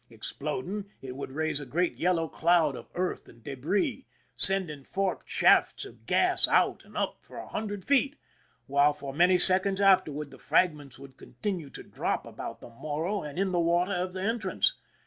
Exploding, it would raise a great yellow cloud of earth and debris, send ing forked shafts of gas out and up for a hundred feet, while for many seconds afterward the frag ments would continue to drop about the Morro and in the water of the entrance.